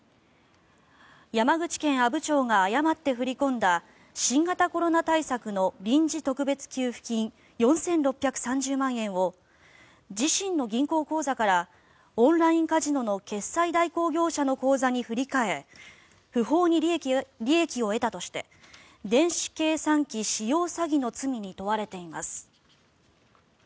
山口県阿武町が誤って振り込んだ新型コロナ対策の臨時特別給付金４６３０万円を自身の銀行口座からオンラインカジノの決済代行業者の口座に振り替え不法に利益を得たとして電子計算機使用詐欺の罪に問われています。